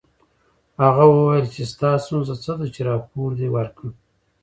هغه وویل چې ستا ستونزه څه ده چې راپور دې ورکړ